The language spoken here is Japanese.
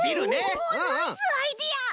おナイスアイデア！